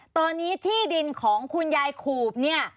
ตอนนี้ที่ดินของคุณยายขูบเนี่ย